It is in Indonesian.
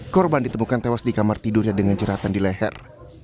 korban ditemukan tewas di kamar tidurnya dengan curhatan di leher